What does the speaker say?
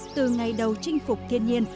từ ngày đầu chinh phục thiên nhiên